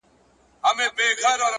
وخت د سمو پرېکړو ارزښت زیاتوي،